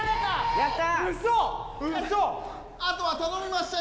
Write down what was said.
やった！